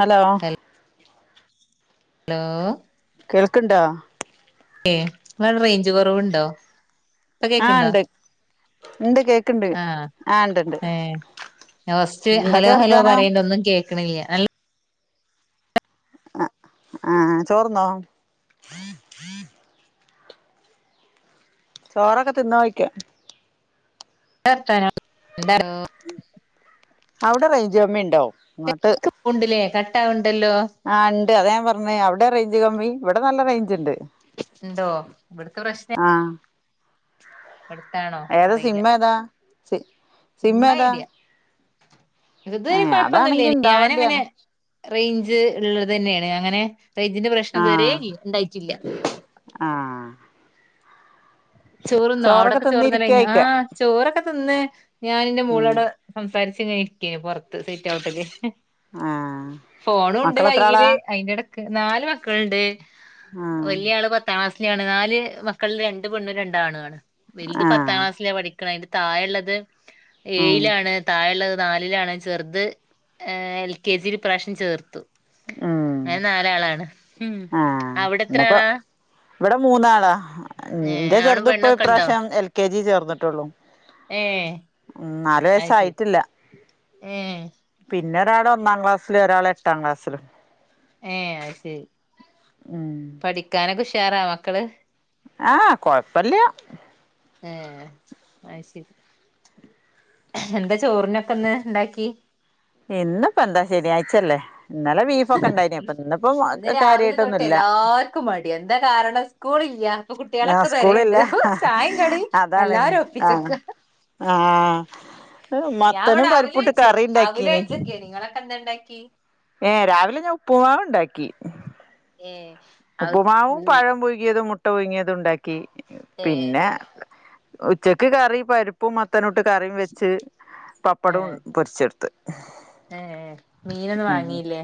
Hello hello കേൾക്ക്ണ്ടാ ഏ ങ്ങളവട റേഞ്ച് കൊറവുണ്ടോ ഇപ്പൊ ആഹ് കേക്ക്ണ്ടാ ഇണ്ട് ഇണ്ട് കേക്ക്ണ്ട് ആഹ് ഇണ്ട്ണ്ട് ലാസ്റ്റ് എന്തൊക്കെ ഹലോ ഹലോ വർത്താനം പറയിൺതൊന്നും കേക്ക്ണില്ല്യ നൽ അഹ് ആഹ് ചോറ്ന്നോ ചോറൊക്കെ തിന്നോ ഓയിക്ക്യാ ന്ത വർത്താനം എന്തർ അവിടെ റെയ്ഞ്ച് കമ്മി ഇണ്ടോ ശരിക്ക് പോണ്ട്ല്ലേ കട്ടാവണ്ട്ല്ലോ ആഹ് ഇണ്ട് അത ഞാൻ പറഞ്ഞേ അവിടെ റെയ്ഞ്ച് കമ്മി ഇവിടെ നല്ല റെയ്ഞ്ച്ണ്ട് ഇണ്ടോ ഇവിടത്തെ പ്രശ്നെ ആഹ് ഇവിടുത്തെയാണോ ഏതാ സിമ്മേതാ സി ഇമ്മ സിമ്മേതാ ഐഡിയ ഇത് വരെ അതാണെങ്കി കുഴപ്പൊന്നുല്ല്യേനി ഞാനങ്ങനെ ഇണ്ടാവേണ്ടിയാണ് റെയ്ഞ്ച് ഇള്ളതന്നേണ് അങ്ങനെ റെയ്ഞ്ചിന്റെ പ്രശ്നിതുവരേ ആഹ് ഇ ഇണ്ടായിട്ടില്ല്യ ആഹ് ചോറ്ന്നോ ചോറൊക്കെ അവിടൊക്കെ ചോറ്ന്നലേഞ്ഞാ തിന്നിരിക്കായിക്ക ആഹ് ചോറൊക്കെ തിന്ന് ഞാനെന്റെ ഉം മോളോടെ സംസാരിച്ച ഇങ്ങനെ ഇരിക്കന് പുറത്ത് സീറ്റ് ഔട്ടില് ആഹ് ഫോണുണ്ട് മക്കളെത്ര ആളാ കയ്യില് അയിന്റെടക്ക് നാല് മക്കളുണ്ട് ആഹ് വലിയ ആള് പത്താം ക്ലാസ്സിലാണ് നാല് മക്കൾ രണ്ട് പെണ്ണും രണ്ട് ആണുണ് വൽത് പത്താം ആഹ് ക്ലാസ്സില പഠിക്ക്‌ണെ അയിന്റെ താഴള്ളത് ഉം ഏഴിലാണ് തായെള്ളത് നാലിലാണ് ചെറുത് എൽ കെ ജിൽ ഈ പ്രാവശ്യം ചേർത്തു ഉം അങ്ങനെ നാലാളാണ് ഉ ആഹ് അവിടെ എത്ര ഇന്നിപ്പോ ആളാ? ഇവിടെ മൂന്നാളാ ഏ ഇന്റെ ആണും ചെറുത് ഇപ്പൊ ഈ പെണ്ണൊക്കെ ഉണ്ടോ പ്രാവശ്യം എൽ കെ ജി ചേർന്നിട്ടുള്ളു ഏ ഉം നാലു അത് വയസ്സ് ശരി ആയിട്ടില്ല ഏ പിന്നെ ഒരാൾ ഒന്നാം ക്ലാസ്സിലും ഒരാൾ എട്ടാം ക്ലാസ്സിലും ഏ അ ശരി ഉം പഠിക്കാനൊക്കെ ഉുഷാറാ മക്കള് ആഹ കുഴപ്പല്യ ഏ അത് ശരി എന്താ ചോറിനൊക്കെ ഇന്ന് ഉണ്ടാക്കി ഇന്നപ്പോ എന്താ ശരി ശനിയാഴ്ച അല്ലേ ഇന്നലെ ബീഫ് ഒക്കെണ്ടായിനി അപ്പ ഇന്നിപ്പോ കാര്യയിട്ടൊന്നുല്ല ക്കും മടിയ എന്താ കാരണം സ്കൂളില്യ പ്പ ആഹ് കുട്ടികളൊക്കെ പേരെണ്ട് സ്കൂളില്ല ചായ കടിയുംഎല്ലരും ഒപ്പിച്ചക്ക ആഹ മത്തനും ഇവിടെ അവില് പരിപ്പിട്ട് വെച്ചു കറി അവില് ഉണ്ടാക്കീന് വെച്ചെക്കെ നിങ്ങളൊക്കെ എന്തെണ്ടാക്കി ഏ രാവിലെ ഞാൻ ഉപ്പുമാവ് ഉണ്ടാക്കി ഏ ഉപ്പുമാവും പഴം പൊഴങ്ങിയതും മുട്ട പൊങ്ങിയതും ഉണ്ടാക്കി ഏഹ് പിന്നെ ഉച്ചക്ക് കറി പരിപ്പും മ തനുട്ട് കറിയും വെച്ച് പപ്പടവും പൊരിച്ചെടുത്ത് ഏ മീനൊന്നും ഉം വാങ്ങീല്ലേ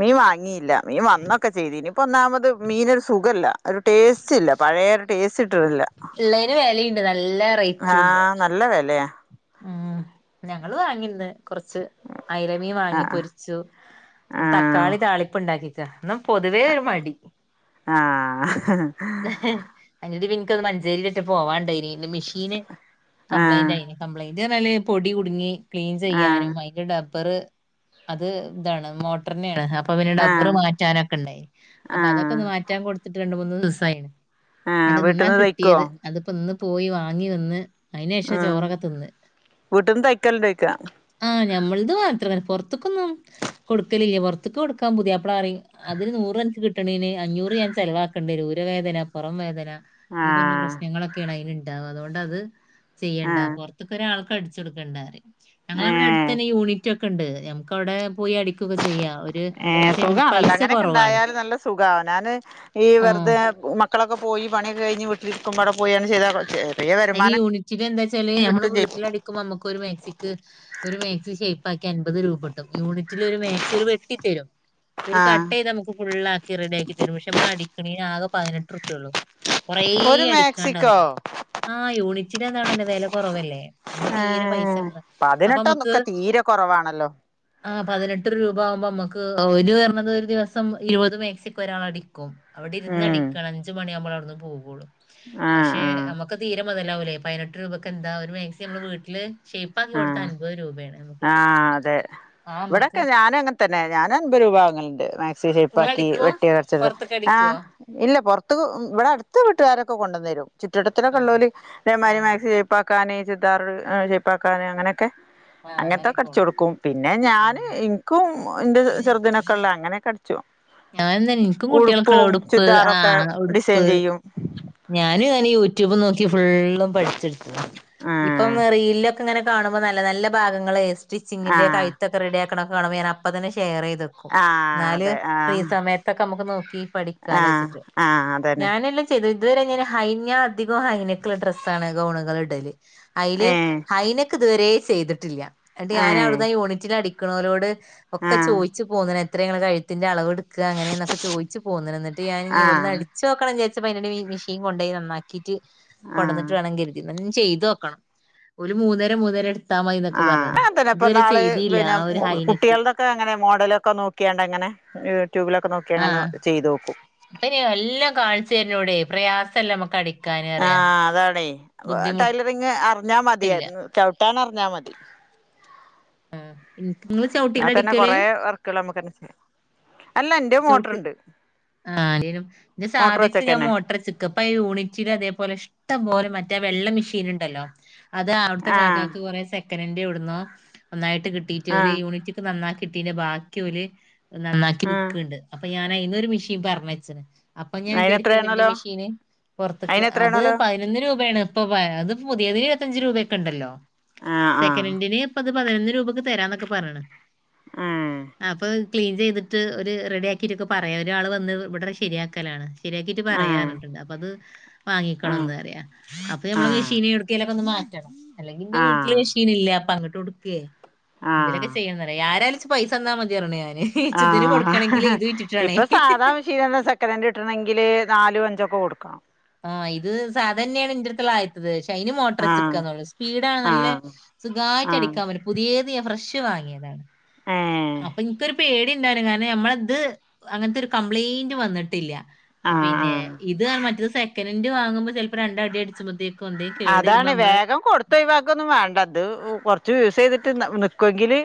മീൻ വാങ്ങിയില്ല മീൻ വന്നൊക്കെ ചെയ്തിനി ഇപ്പേ ഒന്നാമത് മീനൊരു സുഖല്ല ഒരു ടേസ്റ്റ് ഇല്ല പയെരു ടേസ്റ്റ് കിട്ണില്ല ള്ളയിന് വേലേണ്ട് നല്ല റേറ്റും ഉണ്ട് ആഹ് നല്ല വിലയാ ഉം ഞങ്ങൾ വാങ്ങിന്ന് കൊറച്ച് ഐലമീൻ വാങ്ങി ആഹ് പൊരി ചു ആഹ് തക്കാളി താളിപ് ഉണ്ടാക്കിക്ക ഇന്ന് പൊതുവേ ഒരു മടി ആഹ [unintelligible] മഞ്ചേരിയിലിട്ട് പോവാണ്ടായി മിഷീന് കംപ്ലയിന്റ് ആഹ് ആയിന് കംപ്ലൈന്റ് ന്നാർഞ്ഞാൽ പൊടി കുടുങ്ങി ക്ലീൻ ആഹ് ചെയ്യാനും ആ ന്റെ ഡബ്ബർ അത് ഇതാണ് മോട്ടറിനെയാണ് അപ്പൊ പിന്നെ ഡബ്ബർ ആഹ് മാറ്റാനൊക്കെ ഉണ്ടായി അപ്പൊ അതൊക്കെ ആഹ് ഒന്ന് മാറ്റാൻ കൊടുത്തിട്ട് രണ്ട മൂന്നന്ന് ദിവസമായിണ് ആഹ് അത് ഇന്ന വീട്ടിൽന്ന് തയ്ക്കുവോ കിട്ടിയത് അതിപ്പോ ഇന്ന് പോയി വാങ്ങി വന്ന് അതിനന് ശേഷം ചോറ് വീട്ടന്ന് തയ്ക്കലിണ്ടയ്ക്കാ ആഹ് ഞമ്മളത് മാത്രങ്ങനെ പുറത്തക്ക് ഒന്നും കൊടുക്കലില്ലേ പോർത്ത് കൊടുക്കാ പുതിയാപ്ലറിയു അതിന് നൂറ്നിക്ക് കി നൂറ് കിട്ടണേന് അഞ്ഞൂറ് ഞാൻ ചിലവാക്കേണ്ടിരും ഉരവേദന പുറം വേദന ഈ പറഞ്ഞ ആഹ് പ്രശ്നങ്ങളൊ കെണ് അതിന്ണ്ടാവ അതുകൊണ്ട് അത് ചെയ്യണ്ട ആഹ് പുറത്തൊക്ക ഒരാൾക്ക് അടിച്ച കൊടുക്കണ്ടറിയു ഞങ്ങളവിടെ ഏഹ് അടുത്തന്നെ യൂണിറ്റ് ഒക്കെ ഉണ്ട് നമുക്ക് അവിടെ പോയി അടി ഏ സുഖണല്ലോ അങ്ങനൊക്കെ കുറവാണ് ഉണ്ടായാല് നല്ല സുഖ അവനന് ഈ ആഹ് വെറുതെ മ ക്കളൊെക്ക് പോയി പണികെ കഴിഞ് വീട്ടിൽ ഇരുകുമ്പോൾ അടപ്പോയി അണ്ട് ചെയ്താൽ പറ്റുലെ അതിന് യൂണിറ്റില് എന്താ വച്ചാല്ഞമ്മള് ചെയ്യും വീട്ടിലടി കുമ്പോ അമ്മക് ഒരു മാസിക്ക് ഒരു മാക്സി ഷേപ്പ് ആക്കി അൻപത് രൂപ കിട്ടും യൂണി റ്റ്ല് ഒരുമക്ക്സി ഒര് വെട്ടി തരും ഒരു ആഹ് കട്ടയ്ത് നമുക്ക് ഫുള്ള ആക്കി റെഡി ആക്കി തരും പക്ഷെ നമ്മള് അടിക്കണേന് ആകെ പതിനെടട്ടുർപ്യെ ഉള്ളൂ കൊറേ ഒരു മാക്സിക്കോ അടിക്കാണ്ടാവൂലേ ആഹ യൂണിറ്റിൽ അതാണല്ലോ വില കുറവല്ലേ അപ്പൊ തീരെ പൈസ ഏഹ് ഉണ്ട അപ്പൊ അമ്മക് പതിനെട്ടൊന്നൊക്കെ തീരെ കുറവാണല്ലോ ആ പതിനെട്ടര രൂപ ആവുമ്പോ നമ്മുക്ക് ഒരു പറയണത് ഒരു ദിവസം ഇരുപത് മേക്സിക്കോ ഒരാൾ അടിക്കും അവിടെ ഇരുന്ന് ഉം അടിക്കണം അഞ്ച് മണിയാവുമ്പോൾ അവിടുന്ന് പോവള്ളൂ ആഹ് പക്ഷെ ആഹ് ഇക്ക് തീരെ മുതല്ലാവൂല്ലേ പതിനെട്ടര രൂപക്ക് എന്താ ഒരുമാക്സി നമ്മള് വീട്ടില് ഷേ്യ്പ്പ് ആക്കി കൊടുത്ത ആഹ് അൻപത് രൂപയാണ് നമ്മുക്ക് കിട്ട ആഹ് അതെ ആ നമ്മക്ക് ഇവിടൊക്കെ ഞാനും അങ്ങനെ തന്നെ ഞാൻ അൻപത് രൂപ വങ്ങലുണ്ട് മാക്സി നിങ്ങള് ഷേപ്പാക്കി അടിക്കും വെട്ടിയ കുറച്ചത് പുറത്തൊക്കെ ആ അടിക്കുവോ ഇല്ല പുറത്ത് ഇവിടെ അടുത്ത വീട്ടുകാരൊക്കെ കൊണ്ടുവന്ന് തരും ചുറ്റുവടത്തിലൊക്കെ ആഹ് ഉള്ളോര് ഇതേ മാതിരി ആഹ് മാക്സി തൈ- ഷേയ്പ്പാക്കാനെ ചുരിദാറ് ഷേയ്പ്പാക്കാന് അങ്ങനെയൊക്കെ ആഹ് അങ്ങനത്തൊക്കെ അങ്ങനെയൊക്കെ അടിച്ചു കൊടുക്കും പിന്നെ ഞാൻ കൊണ്ട് എനിക്കും എന്റെ ചെറുതിനൊക്കെ ഉള്ള അങ്ങനെ ഞാൻ തന്നെ എനിക്കും കുട്ടികൾക്കുള്ള ഉടുപ്പും ഉടുപ്പ് ആ ചുരിദാറൊക്കെ ഡിസൈൻ ഉടുപ്പ് ചെയ്യും ഞാനും ഞാന് യൂട്യൂബ് നോക്കി ഫുള്ളും പഠിച്ചെടുത്തത് ആഹ് ഇപ്പൊന്നും റീൽ ഇങ്ങനെ കാണുമ്പോ നല്ല നല്ല ഭാഗങ്ങള് സ്റ്റിച്ചിങ്ങിന്റെ ആഹ് കഴുത്തൊ- റെഡി ആക്കണക്കെ കാണുമ്പോ ഞാൻ അപ്പതന്നെ ഷെയർ ചെയ്ത് ഇടും ആഹ് എന്നാല് അതെ ഫ്രീ ആഹ് സമയത്തൊക്കെ നമ്മുക്ക് നോക്കി പഠിക്കാലൊ ആഹ് വച്ചിട്ട് ആഹ് അതന്നെ ഞാനല്ല ചെയ്ത ഇതുവരെ ഞാൻ ഹൈഞ്ഞ അധികം ഹൈനെക്കുള്ള ഡ്രസ്സണ് ഗൗണുകൾ ഇടല് അതില് ഏഹ് ഹൈനെക്ക് ഇതുവരെ ചെയ്തിട്ടില്ല എന്നിട്ട് ഞാൻ ഏഹ് അവിടുന്ന് യൂണിറ്റിൽ അടിക്കുന്നോരോട് അടിക്കുന്നവരോട് ഒക്കെ ആഹ് ചോയിച്ചു പോന്ന്ണ് എത്രയാണ് കഴുത്തിന്റെ അളവെടു- അങ്ങനെയന്നക്കെ ചോദിച്ച് പോന്നുണു എന്നിട്ട് ഞൻ ഇവിടുന്ന് ആഹ് അടിച്ച് നോക്കണം വിചാരിച്ചപ്പോ അതിൻ്റെ ഇടേല് മെഷീൻ കൊണ്ടയി നന്നാക്കി ക്കീട്ട് കൊടന്നിട്ട് ആഹ് വേണം കരുതി എന്ന ചെയ്ത് നോക്കണം ഒരു മൂന്നര മൂന്നര ത്താമായി എന്നൊക്കെ ആഹ് പറഞ്ഞണ് അങ്ങൻതന്നെ ഇതുവരെ ചെയ്തിയില്ല ആ ഒരു ഹൈനെറ്റ് ഒക്കെ അങ്ങനെ മോഡലൊക്കെ നോക്കിയാണ്ട അങ്ങനെ യൂട്യൂബിലൊക്കെ നോക്കി അങ്ങനെ ചെയ്ത് നോക്കും ഇപ്പം അയിന് എല്ലാം കാണിച്ചു തരുന്നൂടെ പ്രയാസം എല്ലാം നമ്മക്കടി ആ അതാണേ ടൈലറിങ് അറിഞ്ഞാ ട്ടില്ല മതിയായിരുന്നു ചവിട്ടാൻ അറിഞ്ഞാ മതി ആ എനിക്ക് നിങ്ങള് ചവിട്ട്യോണ്ടാ അടിക്കല് നമ്മുക്കുള്ള നമുക്കെന്നെ ചെയ്യാലോ അല്ല എന്റെ മോട്ടറുണ്ട് ആന്റെ [inaudible] സാധക്ക് ഞാൻ മോട്ടർച്ചി ഇപ്പൊ ഈ യൂണിറ്റില് അതേപോലെ ഇഷ്ടംപോലെ മറ്റേ വെള്ള മെഷീൻ ഉണ്ടല്ലോ അത് അവിടുത്തെ ആഹ് കാക്കക്ക് കുറെ സെക്കനൻ്റ് എവിടുന്നോ ഒന്നായിട്ട് കിട്ടീട്ട് ഓല് ആഹ് യൂണിറ്റ് നന്നാക്കിട്ത്തീൻ്റെ ബാക്കി ഓല് നന്നാക്കി ആഹ് വിക്കണ്ട് അപ്പൊ ഞാൻ അതിന്നൊരു മിഷീൻ [inaudible] അപ്പോ ഞാൻ വിജാരിക്കിണ്ട് എൻ്റെ അയിനെത്രേണോലോ മിഷിന് പൊറത്ത്ക്ക് അത് അയിനെത്രേണോലോ പതിനൊന്ന് രൂപയാണ് ഇപ്പൊ പഴേത് പുതിയതിനിരുപത്തഞ്ച് രൂപയൊക്കെ ഉണ്ടല്ലോ അ ആ സെക്കൻറിന് ഇപ്പത് പതിനൊന്ന് രൂപക്ക് തരാന്നൊക്കെ പറഞ്ണ് ഏഹ് അപ്പോ ക്ലീൻ ചെയ്തിട്ട് ഒരു റെഡി ആക്കിയിട്ടൊക്കെ പറയാം ഒരാൾ വന്ന് ഇവിടെ ശരിയാക്കലാണ് ശരിയാക്കിട്ട് ആഹ് പറയാറഞ് ണ്ട് അപ്പൊ അത് ആഹ് വാങ്ങിക്കണംന്ന് അറിയ അപ്പൊ നമ്മള് ആഹ് മെഷീൻ എടുക്കലൊക്കെ ഒന്ന് മാറ്റ- അല്ലെങ്കി എന്റെ വീട്ടില് ആഹ് മെഷീനില്ല അപ്പൊ അങ്ങോട്ട് കൊടുക്കയേ ആഹ് എന്തെങ്കിലൊക്കെ ചെയ്യാന്ന് പറ ആരാലും ഇക്ക് പൈസ തന്നാ മതി പറഞ്ഞ്ണ് ഞാന് ഇച്ച് ആ ഇതിന് അ കൊടുക്കണെങ്കില് ഇത് വിറ്റിട്ടാണേ. ഇപ്പൊ സാധാ മിഷീൻ തന്നെസെക്കനൻ്റ് കിട്ടണെങ്കില് നാലും അഞ്ചൊക്കെ കൊടുക്കണം ആ ഇത് സാധ തന്നെയാണ് ഇൻ്റെടത്ത് ആ- ത് ഷൈനി ആഹ് മോട്ടർച്ചക്കാനുള്ളു സ്പീഡാണ്ണ് നല്ല ആഹ് സുഖമായിട്ട് ആഹ് അടിക്കാൻ പറ്റും പുതിയത് ഞാൻ ഫ്രഷ് വാങ്ങിയതാണ് ഏ അപ്പൊ ഇനിക്കൊരു പേടി ഉണ്ടായിരുന്നു കാരണം ഞമ്മളത് അങ്ങനത്തെ ഒരു കംപ്ലൈയിന്റ് വന്നിട്ടില്ല ആഹ് പിന്നെ ആഹ് ഇത് മറ്റത് സെക്കനൻ്റ് വാങ്ങുമ്പോ ചിലപ്പോ രണ്ടടി അടി- ച്ചുമത്തേക്കും എന്തെങ്കിലും കേടുരുമ്പോ നമ്മള് ഇപ്പ ഒഴിവാക്കൊന്നും വേണ്ട ഇത് കൊറച്ച് യൂസ് ചെയ്തിട്ട് നിക്കുവെങ്കില്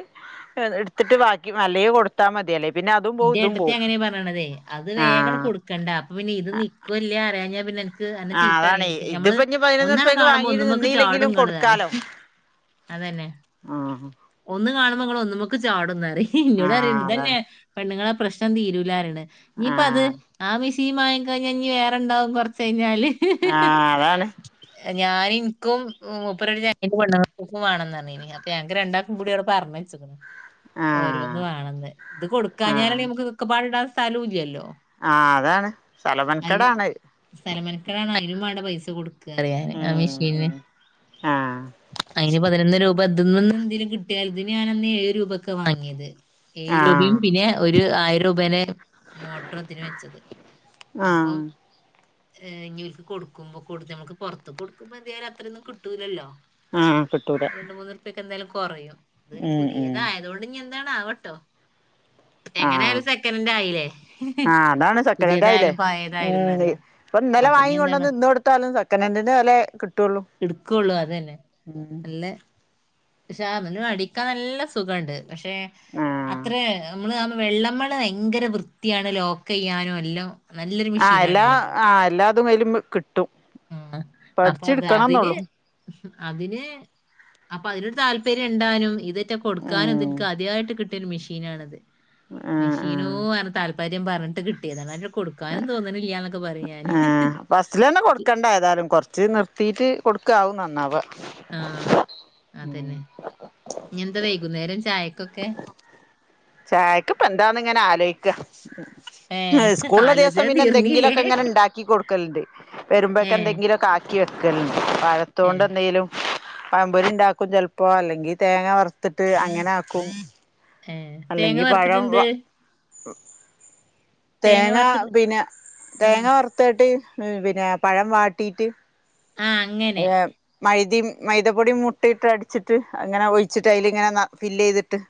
എടുത്തിട്ട് ബാക്കി അല്ലേൽ കൊടുത്താൽ മതിയല്ലേ പിന്നെ അതും പോവും ഇന്റെ ഇതും ഏട്ടത്തി പോവും അങ്ങനെയാ പറയണതേ അത് വേഗം ആഹ് കൊടുക്കണ്ട അപ്പൊ പിന്നെ ഇത് നിക്കുല്ലേ അറിയ ഞ്ഞാ പിന്നെ എന്നന്നെ ആഹ് അതാണ് ചീത്താറിയ നമ്മള് ഇതിപ്പോ ഇനി പതിനൊന്ന് ഒന്നാണ് റുപ്യക്ക് കാണുമ്പോ വാങ്ങീട്ട് ഒന്നുംമക്ക് നിന്നീല്ലെങ്കിലും ചാടങ്ങറി അതന്നെ ആഹ... ഒന്ന് കാണുമ്പോങ്ങൾ ഒന്നുമൊക്കെ ചാടുന്നറിയ ഇന്നോട് ആഹ് അറിയണ്ട് അതാണ് ഇതന്നെ. പെണ്ണുങ്ങളെ പ്രശ്നം തീരൂലാരാണ് നീയിപ്പ അത്- ആഹ് ആ മിഷീ മങ്ങം കഴിഞ്ഞഞ്ഞ്- വേറെണ്ടാവും കുറച്ച് കഴിഞ്ഞാല്- ആഹ അതാണ്. ഞാന ഇനിക്കുംപ്പടന്റെ പെണ്ണക്കും വേണംന്ന് പറഞ്ഞന് അപ്പോ ഞങ്ങക്ക് രണ്ടാം- കടിയോടെ പറഞ്ഞ വെച്ച ഓരോ- ആഹ് ന്ന് വേണെന്ന് ഇ കൊടുക്കാഞ്ഞാല- ആഹ് നമുക്ക് കക്ക പാട് ഇടാൻ സ്ഥലമ- ഇല്ലല്ലോ. ആ അതാണ്സലാമൻകേടാണ് അത്. സ്ഥലമനക്കടാണ് അനും അവിടെ- പൈസ കൊടുക്കുക അറിയാൻ, ഉം ആ മെഷീന്ന്. ഉം ആഹ് അതിന് പതിനൊ രൂപ- [unintelligible] ചെറുതിനു ഞൻന്ന് ഏഴ് രൂപ ഒക്കെ വാങ്ങിയത്. ഏഴ് രൂപയും ആഹ് പിന്നെ ഒരു ആയിരം രൂപേന- മോട്ടർത്തിന് വെച്ചത് അപ്പോ ആഹ് - ഇവക്ക് കൊടുക്കുമ്പോ, കൊടു- നമുക്ക് പുറത്ത് കൊടുക്കുമ്പോ- എന്താല അത്രൊന്നും കിട്ടൂല്ലല്ലോ? ഉം കട്ടൂലാ. ക്കെ എന്തായാലും കുറയും, അത് ഉം പുതിയതായതോണ്ട് ഇ- എന്തണവട്ടോ. ആഹ് എങ്ങനൊയാലും സെക്കൻറ് ആയില്ലേ. ആഹ് അതാണ് പുതിയതായാലും, പഴയതായിഎന്ന അറിയ. ഇപ്പ ഇന്നലെ വാങ്ങികൊണ്ട്വന്ന് ഇന്ന് കൊടുത്താലും സെക്കൻഡ ഹൻഡന്- എടുക്കുള്ളു അതു തന്നെ നല്ല. പക്ഷെ അതുമടിക്കാൻ നല്ല സുഖുണ്ട്, പക്ഷെ ആഹ് അത്ര നമ്മള് വെള്ളമ്മ- ഭയങ്കര വൃത്തിയാണ് ലോക്ക്- ചെയ്യാനും എല്ലാം. നല്ലൊരു ആ എല്ലാ മെഷീനാണുള്ളത് ആഹ് എല്ലാതും കയ്യിലും, കിട്ടും അപ്പൊ അത് പഠിച്ചെടുക്കണം അതിന് എന്നള്ളു. അതിന് അപ്പോ അതിനൊരു- താല്പര്യം ഉണ്ടാനും ഇതൊ- ഉം കൊക്കാനട്ട് കിട്ട ഒരു മെഷ്യനാണ് ഇത്. ആഹ് ആഹ് അ താല്പര്യം പറഞ്ഞിട്ട് കിട്ടിയത് കൊടുക്കാനും തോന്നുന്നില്ല. ആ ഫസ്റ്റില് തന്നെ കൊടുക്കണ്ട- ആഏതാലും കുറച്ച് നിർത്തിയിട്ട്- കൊടുക്കാവ നന്ന അവ. ആഹ അതന്നെ ഇനി എന്താ- വൈകുന്നേരം ചായക്കൊക്കെ. ചായക്ക്പ്പ എന്താന്ന് ഇങ്ങനെ- ആലോചിക്കുക. ഏ സ്കൂളിലള്ള ദിവസം ആലോചന പിന്നെ- തീർന്നില്ലേ എന്തെങ്കിലുമൊക്കെ ഇങ്ങനെ ഉണ്ടാക്കി കൊടുക്കലണ്ട്. ഏ വരുമ്പോഴക്കെ എന്തെങ്കിലും കാക്കി വെക്കലോ ഏ പഴത്തുകൊണ്ട്- എന്തേങ്കലും, പമ്പൊരി ഉണ്ടാക്കുംചലപ്പോ,, അല്ലെങ്കി തേങ്ങ വറുത്തിട്ട് അങ്ങനെ ആക്കും. ഏ തേങ്ങ അല്ലെങ്കി വറുത്തിട്ട പഴം എന്ത്? തേങ്ങ പിന്നെ, ആ തേങ്ങ വറ- മുത്തായിട്ട് പിന്നെ, പഴം വാട്ടിയിട്ട്. ആഹ... എ... മൈദ മൈദപ്പൊടിം മുട്ടിയിട്ട്- അടിച്ചിട്ട് അങ്ങനെ ഒഴിച്ചിട്ട്, അതില ഇങ്ങനെ ഫില് ചെയ്തിട്ട്. [inaudible]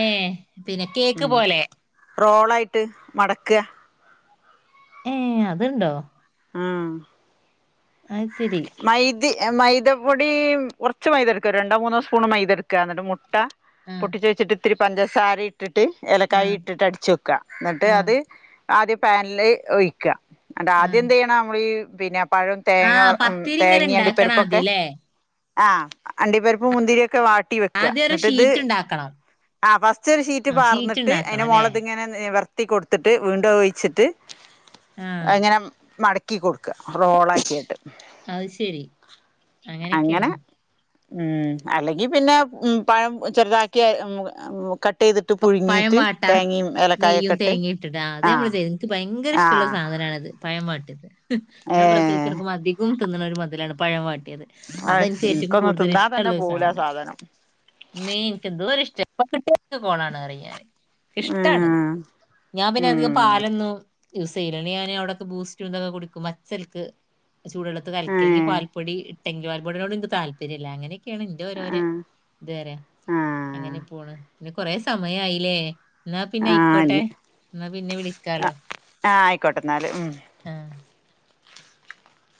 ഏ പിന്നെ കേക്ക് ഉം പോലെ. റോളായിട്ട് മടക്കുക. ഏ അതുണ്ടോ? ആഹ... അ ശരി... മൈദ മൈദപ്പൊടി, കുറച്ച് മൈദ എടുക്കുക, രണ്ടോ മൂന്നോ സ്പൂൺ- മൈദ എടുക്കുക എന്നിട്ട് മുട്ട- ആ പൊട്ടിച്വെച്ചിട്ട്ത്തിരി പഞ്ചസാരിം - ഇട്ടിട്ട് ആ ഇലക്കായി ഇട്ടിട്ട് അടിച്ച് വയ്ക്കുക, എന്നിട്ട് ആ അത് ആദ്യം പാനിൽ ഒഴിക്കുക. ഹാ ആ ആദ്യം എന്ത് ചെയ്യണാ, നമ്മളീ പിന്നെ പഴം, ആ തേങ്ങ, പത്തിരി ഇങ്ങനെ തേങ്ങണ്ട ഉണ്ടാക്കണം ആദ്യം പരിപ്പൊക്കെ- അല്ലേ ആ അണ്ടി പരപ്പ് മുന്തിരി ഒക്കെ വാട്ടി വെക്കുക, ആദ്യം ഒരു എന്നിട്ട് ഷീറ്റ് ഇത്- ഉണ്ടാക്കണം ആ ഫസ്റ്റ് ഒരു ഷീറ്റ് ആ പാർന്നിട്ട് ഉണ്ടാക്കണം അതിന്റെ അല്ലേ മുകളിതിങ്ങനെ- മടക്കി കൊടുത്തിട്ട് വീണ്ടും ഒഴിച്ചിട്ട് ആ അതാങ്ങനെ മട- ക്കി കൊടുക്ക്വ. റോളാക്യാട്ട് അത്ശരി അങ്ങനെക്കേണ് അങ്ങനെ ഉം അല്ലെങ്കിൽ പിന്നെ പഴം ചെറുതാക്കി അരി ഉം കട് ട്ടെയ്തിട്ട് പ- പഴം പുഴുങ്ങിയിട്ട് വാട്ട തേങ്ങയും ഏലക്കായൊക്കെ ട്ട് ആഹ് ക്ക് ഭയങ്കര ഇഷ്ടള്ള ആഹ് സാധനാണത്. പയം വാട്ടിയത്, ഞാൻ ഏഹ് പ്രസവിച്ചട്ക്കുമ്പോ അധികും തിന്ന്ണൊര് മൊതലാണ് പഴം വാട്ടിയത്. അഹ് അതൻക്ക് ഏറ്റവും ഇൻക്കൊന്നും കൂടുതൽ തിന്നാൻ തന്നെ ഇഷ്ടള്ളൊരു പോവൂല ആ സാധനം മ്മേ ഇൻക്കെന്തോരു ഇഷ്ട, ഇപ്പ കിട്ടിയാലും ഇന്ക് കോളാണ് റ്യും ഞാന്, ക്കിഷ്ടാണത് ആഹ് ഞാ പിന്നെ അധികം ഉം പാലൊന്നും യൂസിയില്ല ഞാൻ അവടെക്കെ ബൂസ്റ്റ്ന്തൊക്കെ കുടിക്കും [unintelligible] ചൂടുവെള്ളത്തിൽ കലക്കി അല്ലെങ്കി ഏഹ് പാൽപ്പൊടി ഇട്ടെങ്കി പാൽ പൊടിനോട് ഇന്ക് താല്പര്യല്ല അങ്ങനെ ക്കേണ് ന്റോരോരെ ആഹ് ത്റ്യ. അങ്ങനെ ആഹ് പോണ്, പിന്നെ കൊറെ സമയായിലേ ന്നാ പിന്നെ ഐക്കോട്ടെ, ആഹ് ന്നാ പിന്നെ വിളിക്കാലോ ആഹ് ഐക്കോട്ടെന്നാല് ഉം ആഹ്